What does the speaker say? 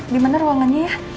dimana ruangannya ya